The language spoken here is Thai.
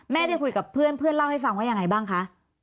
ได้คุยกับเพื่อนเพื่อนเล่าให้ฟังว่ายังไงบ้างคะ